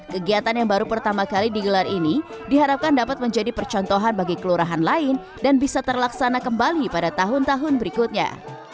kegiatan yang baru pertama kali digelar ini diharapkan dapat menjadi percontohan bagi kelurahan lain dan bisa terlaksana kembali pada tahun tahun berikutnya